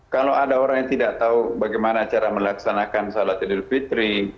kalau ada orang yang tidak tahu bagaimana cara melaksanakan salat idul fitri